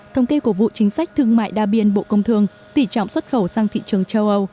thống kê của vụ chính sách thương mại đa biên bộ công thương tỷ trọng xuất khẩu sang thị trường châu âu